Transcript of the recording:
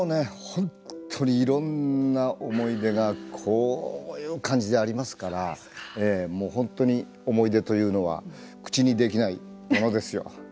本当にいろんな思い出がこういう感じでありますから本当に思い出というのは口にできないものですよ。